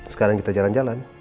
sekarang kita jalan jalan